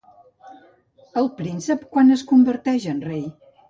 El príncep, quan es converteix en rei?